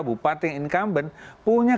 bupating incumbent punya